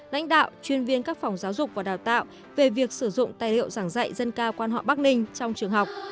lãnh đạo chuyên viên các phòng giáo dục và đào tạo về việc sử dụng tài liệu giảng dạy dân cao quan họ bắc ninh trong trường học